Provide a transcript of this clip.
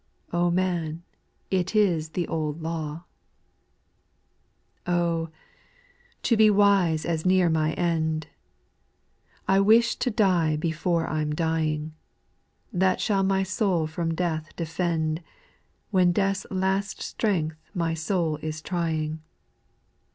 Oh, man ! it is the old law ! 6. Oh I to be wise as near my end I I wish to die before I*m dying : That shall my soul from death defend, When death's last strength my soul is try ing.